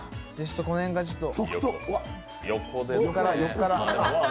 この辺からちょっと。